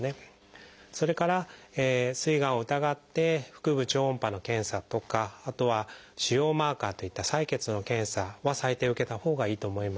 それからすいがんを疑って腹部超音波の検査とかあとは腫瘍マーカーといった採血の検査は最低受けたほうがいいと思います。